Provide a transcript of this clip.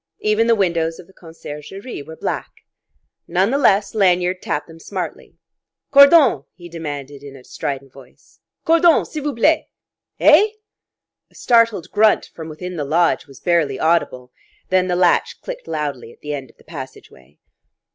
Even the windows of the conciergerie were black. None the less, Lanyard tapped them smartly. "Cordon!" he demanded in a strident voice. "_Cordon, s'il vous plait! _" "_Eh? _" A startled grunt from within the lodge was barely audible. Then the latch clicked loudly at the end of the passageway.